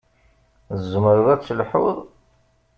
Tzemreḍ ad telḥuḍ?